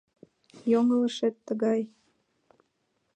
Йоҥылышет тыгай.